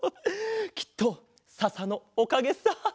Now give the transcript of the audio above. きっとささのおかげさ。